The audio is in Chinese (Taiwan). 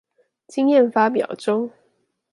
經驗發表中